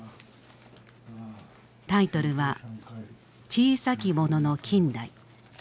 タイトルは「小さきものの近代」。